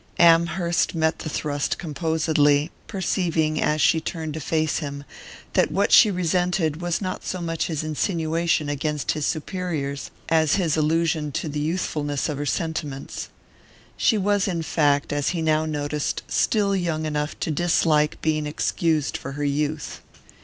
Amherst met the thrust composedly, perceiving, as she turned to face him, that what she resented was not so much his insinuation against his superiors as his allusion to the youthfulness of her sentiments. She was, in fact, as he now noticed, still young enough to dislike being excused for her youth.